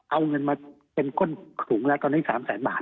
เอาเงินมาเป็นก้นสูงแล้วตอนนี้๓แสนบาท